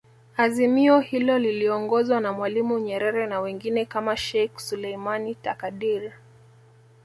Azimio hilo liliongozwa na Mwalimu Nyerere na wengine kama Sheikh Suleiman Takadir